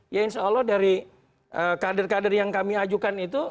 ya insya allah dari kader kader yang kami ajukan itu